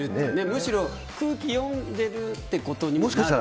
むしろ空気呼んでるってことにもね。